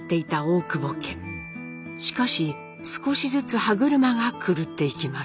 しかし少しずつ歯車が狂っていきます。